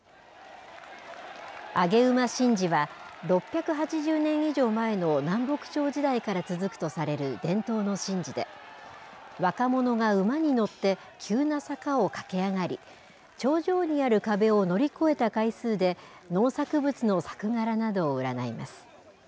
上げ馬神事は、６８０年以上前の南北朝時代から続くとされる伝統の神事で、若者が馬に乗って急な坂を駆け上がり、頂上にある壁を乗り越えた回数で、農作物の作柄などを占います。